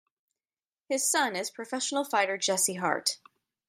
His son is professional fighter Jesse Hart.